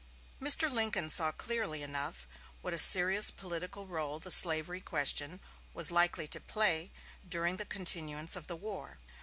Mr. Lincoln saw clearly enough what a serious political rôle the slavery question was likely to play during the continuance of the war.